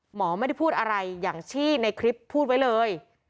หมอไม่ได้พูดอะไรอย่างที่ในคลิปพูดไว้เลย